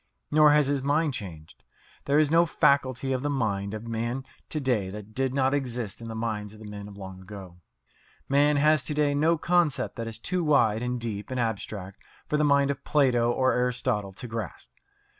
Nor has his mind changed. There is no faculty of the mind of man to day that did not exist in the minds of the men of long ago. Man has to day no concept that is too wide and deep and abstract for the mind of Plato or Aristotle to grasp.